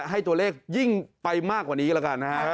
ให้ตัวเลขยิ่งไปมากกว่านี้แล้วกันนะฮะ